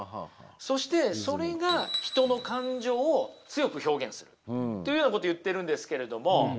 そしてそれが人の感情を強く表現するというようなことを言っているんですけれども。